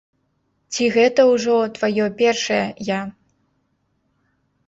Ці гэта ўжо тваё першае я?